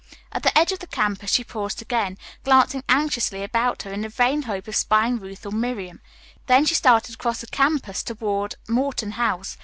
At the edge of the campus she paused again, glancing anxiously about her in the vain hope of spying Ruth or Miriam, then she started across the campus toward Morton House.